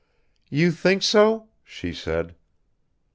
"You think so?" she said.